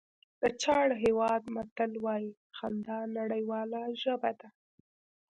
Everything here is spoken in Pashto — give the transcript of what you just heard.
د چاډ هېواد متل وایي خندا نړیواله ژبه ده.